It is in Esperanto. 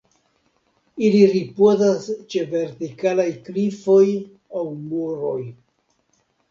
Ili ripozas ĉe vertikalaj klifoj aŭ muroj.